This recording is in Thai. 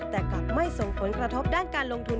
แต่กลับไม่ส่งผลกระทบด้านการลงทุน